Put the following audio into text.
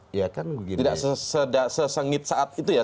tidak sesengit saat itu ya